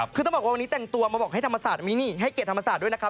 คือต้องบอกว่าวันนี้แต่งตัวมาบอกให้ธรรมศาสตร์มีนี่ให้เกียรติธรรมศาสตร์ด้วยนะครับ